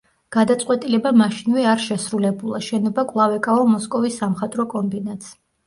გადაწყვეტილება მაშინვე არ შესრულებულა, შენობა კვლავ ეკავა მოსკოვის სამხატვრო კომბინატს.